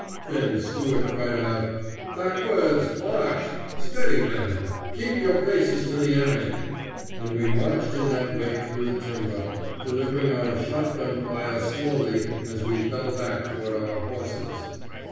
Then Stuart cried out, "Backwards march! steady, men, keep your faces to the enemy!" and we marched in that way through the timber, delivering our shot gun fire slowly as we fell back toward our horses.